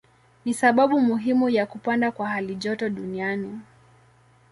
Ni sababu muhimu ya kupanda kwa halijoto duniani.